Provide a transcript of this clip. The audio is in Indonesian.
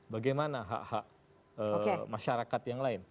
bagaimana hak hak masyarakat yang lain